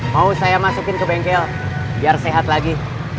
mau saya masukin ke bengkel biar sehat lagi